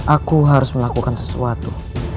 aku harus melakukan sesuatu